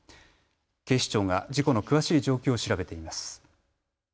警視庁が事故の詳しい状況を調べています。